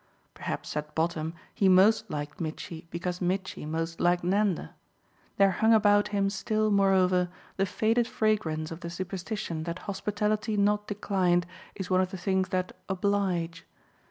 Perhaps at bottom he most liked Mitchy because Mitchy most liked Nanda; there hung about him still moreover the faded fragrance of the superstition that hospitality not declined is one of the things that "oblige."